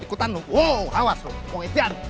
ikutan lu awas lu mau ngitian